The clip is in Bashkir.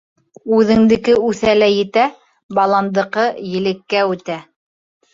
Үҙеңдеке үҫә лә етә, баландыҡы елеккә үтә.